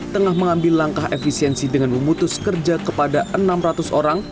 tengah mengambil langkah efisiensi dengan memutus kerja kepada enam ratus orang